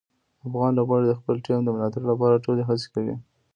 افغان لوبغاړي د خپلې ټیم د ملاتړ لپاره ټولې هڅې کوي.